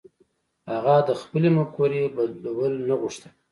هغه د خپلې مفکورې بدلول نه غوښتل.